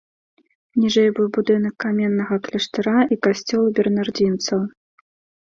Ніжэй быў будынак каменнага кляштара і касцёла бернардзінцаў.